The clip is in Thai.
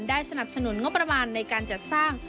สนับสนุนงบประมาณในการจัดสร้าง